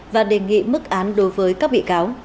và đề nghị mức án đối với các bị cáo